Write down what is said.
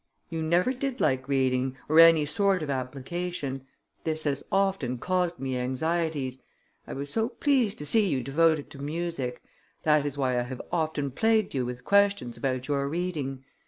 You never did like reading, or any sort of application: this has often caused me anxieties. I was so pleased to see you devoted to music; that is why I have often plagued you with questions about your reading.